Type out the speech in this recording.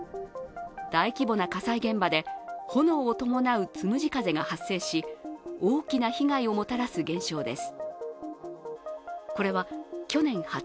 大規模な火災現場で、炎を伴うつむじ風が発生し大きな被害をもたらす現象です。